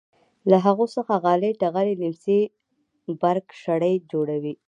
له هغو څخه غالۍ ټغرې لیمڅي برک شړۍ جوړوي.